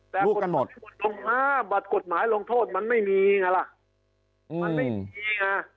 แต่กฎหมายลงโทษมันไม่มีมันไม่มีมันไม่มี